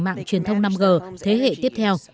mạng truyền thông năm g thế hệ tiếp theo